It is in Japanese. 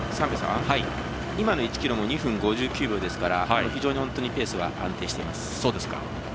今の１ｋｍも２分５９秒ですから非常にペースは安定しています。